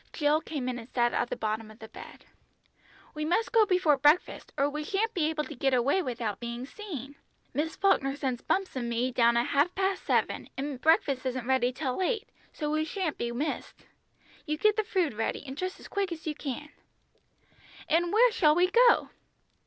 Jill came in and sat on the bottom of the bed. "We must go before breakfast, or we shan't be able to get away without being seen. Miss Falkner sends Bumps and me down at half past seven, and breakfast isn't ready till eight, so we shan't be missed. You get the food ready and dress as quick as you can." "And where shall we go?"